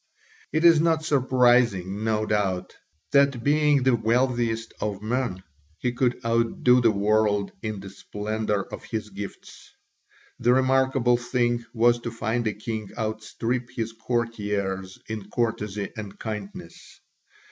It is not surprising, no doubt, that being the wealthiest of men, he could outdo the world in the splendour of his gifts. The remarkable thing was to find a king outstrip his courtiers in courtesy and kindness.